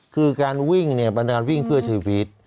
คือการวิ่งมันเป็นการวิ่งเพื่อชีวิต